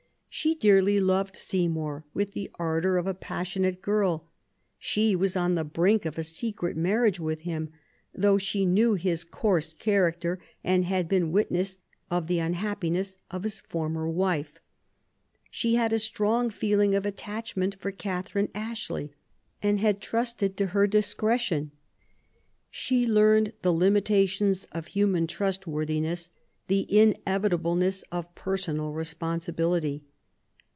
She dearly loved Seymour, with the ardour of a passionate girl. She was on the brink of a secret marriage with i6 QUEEN ELIZABETH. him, though she knew his coarse character and had been witness of the unhappiness of his former wife. She had a strong feeling of attachment for Catherine Ashley, and had trusted to her discretion* She learned the liiloilations of human trustworthi ness, the inevitatbleness of personal responsibility.